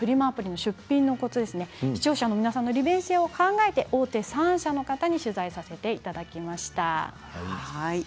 アプリの出品のコツ視聴者の皆さんの利便性を考えて大手３社の方に取材させていただきました。